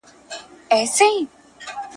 کله چې ماشوم ښه کار وکړي، هغه وستایئ.